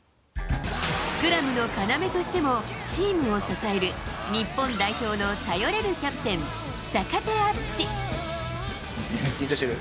スクラムの要としてもチームを支える、日本代表の頼れるキャプテン、緊張してる？